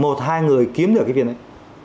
một hai người kiếm được cái viên này